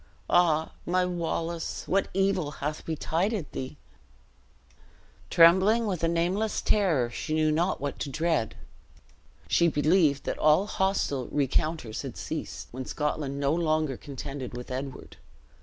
Ah, my Wallace, what evil hath betided thee?" Trembling with a nameless terror, she knew not what to dread. She believed that all hostile recounters had ceased, when Scotland no longer contended with Edward.